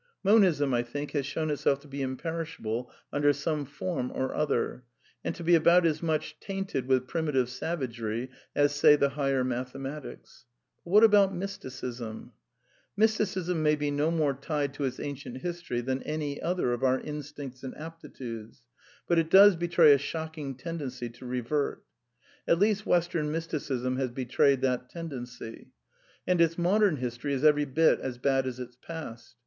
Monism, I think, has shown itself to be imperishable under some form or other, and to be about as much tainted with primitive savagery as, say, the higher mathematics. But what about Mysticism ? Mysticism may be no more tied to its ancient history than any other of our instincts and aptitudes, but it does ji^^betray a shocking tendency to reverts At least Western ^ Mysticism has betrayed that tendency. And its modem history is every bit as bad as its past.